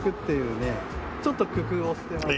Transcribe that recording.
ちょっと工夫をしてます。